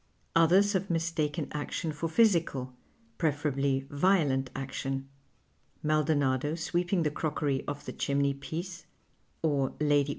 Others have mistaken action for physical, j)referably \ iolent action — Maldonado sweeping the crockery off the chimney pieee or Lady